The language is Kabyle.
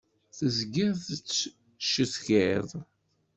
Tezgiḍ tettcetkiḍ.